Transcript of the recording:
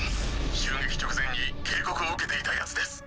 襲撃直前に警告を受けていたやつです。